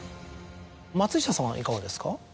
松下さんはいかがですか？